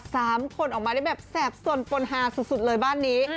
สามคนออกมาได้แบบแสบสนปนฮาสุดเลยบ้านนี้